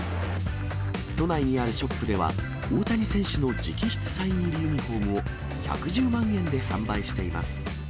都内にあるショップでは、大谷選手の直筆サイン入りユニホームを、１１０万円で販売しています。